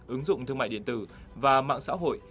ứng dụng thương mại điện tử và mạng xã hội